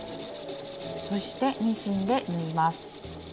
そしてミシンで縫います。